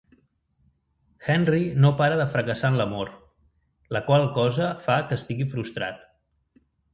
Henry no para de fracassar en l'amor, la qual cosa fa que estigui frustrat.